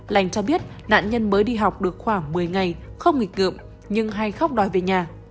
lành cho biết nạn nhân mới đi học được khoảng một mươi ngày không nghịch ngợm nhưng hay khóc đòi về nhà